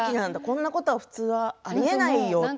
そんなことは普通ありえないよって。